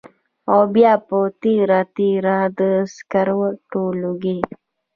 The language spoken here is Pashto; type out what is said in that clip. او بيا پۀ تېره تېره د سګرټو لوګی